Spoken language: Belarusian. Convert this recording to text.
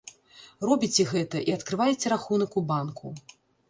Робіце гэта, і адкрываеце рахунак у банку.